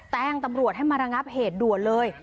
แจ้งตำรวจให้มาระงับเหตุด่วนเลย